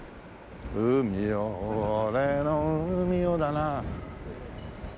「海よ俺の海よ」だな。